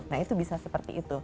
nah itu bisa seperti itu